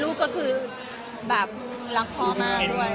ลูกก็คือแบบรักพ่อมากด้วย